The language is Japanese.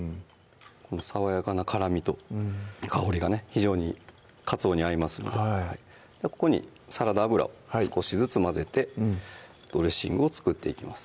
この爽やかな辛みと香りがね非常にかつおに合いますのでここにサラダ油を少しずつ混ぜてドレッシングを作っていきます